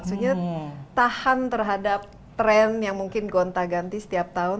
maksudnya tahan terhadap tren yang mungkin gonta ganti setiap tahun